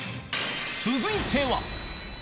続いては。